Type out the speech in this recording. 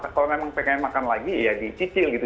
jadi kita kalau memang pengen makan lagi ya dicicil gitu